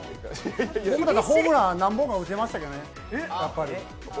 僕だったらホームラン何本か打てましたけどね。